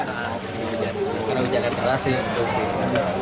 iya karena hujan deras sih